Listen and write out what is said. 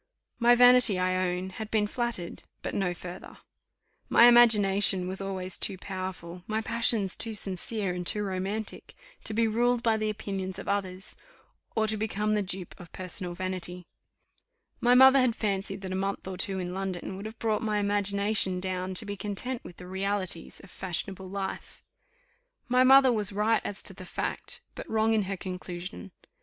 My vanity, I own, had been flattered, but no further. My imagination was always too powerful, my passions too sincere and too romantic, to be ruled by the opinions of others, or to become the dupe of personal vanity. My mother had fancied that a month or two in London would have brought my imagination down to be content with the realities of fashionable life. My mother was right as to the fact, but wrong in her conclusion.